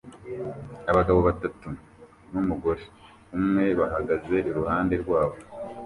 Abagabo batatu numugore umwe bahagaze iruhande rwabo